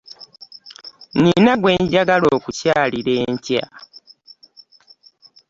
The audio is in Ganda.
Nnina gwe njagala okukyalira enkya.